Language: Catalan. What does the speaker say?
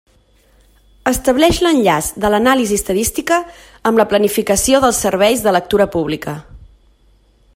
Estableix l'enllaç de l'anàlisi estadística amb la planificació dels serveis de lectura pública.